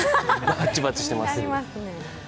バチバチしてます。